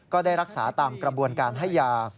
ก็ได้รักษาตามกระบวนการให้ยา